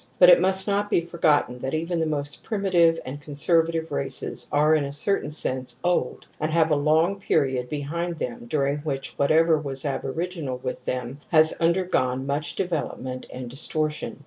But it must not be forgotten that even the most prim itive and conservative races are, in a certain sense, old, and have a long period behind them during which whatsoever was aborig inal with them has undergone much development and distortion.